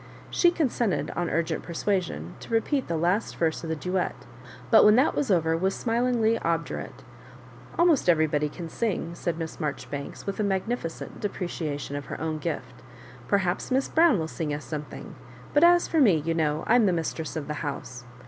She consent ed, on urgent persuasion, to repeat the last verse of the duet, but when that was over was smUing ly obdurate. "Almost everybody can sing," said Miss Maijoribanks, with a magnificent de preciation of her own gift. "Perhaps Miss Brown wUl sing us something ; but as for me^ you know, I'm the mistress of the house.'